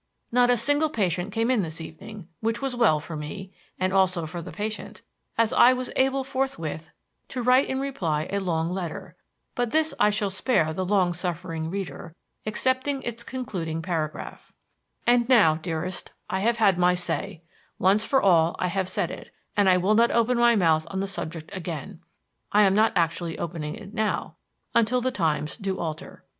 Not a single patient came in this evening, which was well for me (and also for the patient), as I was able forthwith to write in reply a long letter; but this I shall spare the long suffering reader excepting its concluding paragraph: "_And now, dearest, I have said my say; once for all I have said it, and I will not open my mouth on the subject again (I am not actually opening it now) 'until the times do alter.'